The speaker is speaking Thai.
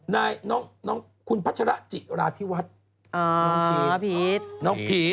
น้องคุณพัชระจิราธิวัฒน์